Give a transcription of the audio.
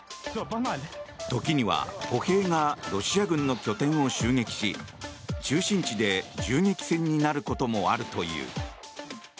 時には、歩兵がロシア軍の拠点を襲撃し中心地で銃撃戦になることもあるという。